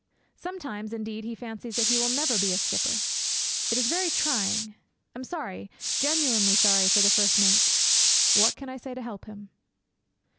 Sometimes, indeed, he fancies that he will never be a skipper. It is very trying. I am sorry genuinely sorry for the first mate. What can I say to help him?